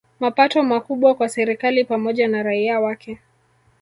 Mapato makubwa kwa serikali pamoja na raia wake